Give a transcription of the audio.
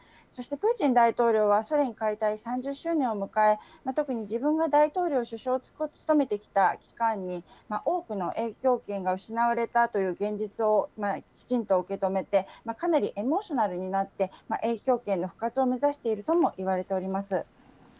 そして、プーチン大統領はソ連解体３０周年を迎え、特に自分が大統領、首相を務めてきた期間に多くの影響圏が失われたという現実をきちんと受け止めて、かなりエモーショナルになって、影響圏の復活を目指しているともいわれております。